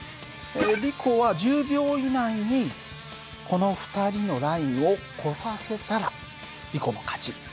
リコは１０秒以内にこの２人のラインを越させたらリコの勝ち。